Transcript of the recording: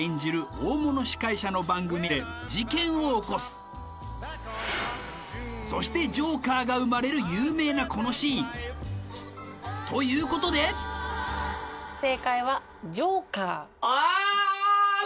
大物司会者の番組で事件を起こすそしてジョーカーが生まれる有名なこのシーンということでああ